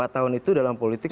lima tahun itu dalam politik